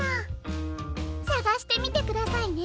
さがしてみてくださいね。